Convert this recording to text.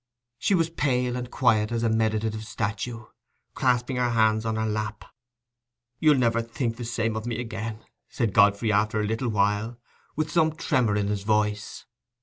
She was pale and quiet as a meditative statue, clasping her hands on her lap. "You'll never think the same of me again," said Godfrey, after a little while, with some tremor in his voice.